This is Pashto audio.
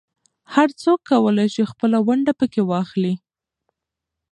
هر څوک کولای شي خپله ونډه پکې واخلي.